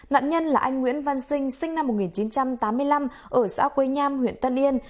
nạn nhân là anh nguyễn văn sinh sinh năm một nghìn chín trăm tám mươi năm ở xã quây nham huyện tân yên